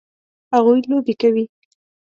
هغوی لوبې کوي